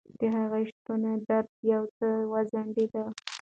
د هغې شتون درد یو څه وځنډاوه.